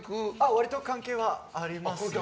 割と関係ありますね。